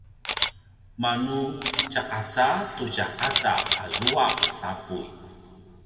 manu tjaqaca tu tjaqaca azua sapuy